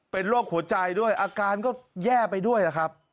เป็นโรคหัวใจด้วยอาการก็แย่ไปด้วยครับ